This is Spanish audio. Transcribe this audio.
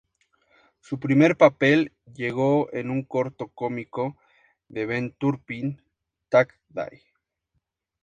Su primer papel llegó en un corto cómico de Ben Turpin, "Tag Day".